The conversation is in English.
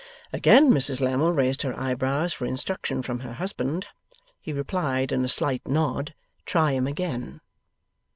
Again Mrs Lammle raised her eyebrows for instruction from her husband. He replied in a slight nod, 'Try 'em again.